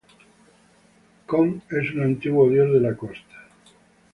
Kon es un antiguo dios de la costa.